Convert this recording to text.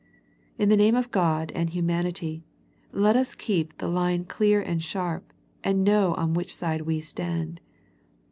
In the name of God and humanity, let us keep the line clear and sharp, and know on which side we stand.